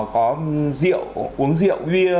có rượu uống rượu bia